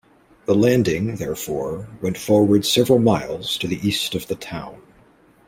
The landing, therefore, went forward several miles to the east of the town.